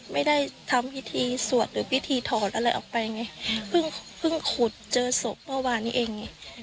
ไม่ได้ทำพิธีสวดหรือพิธีถอดอะไรออกไปไงเพิ่งเพิ่งขุดเจอศพเมื่อวานนี้เอง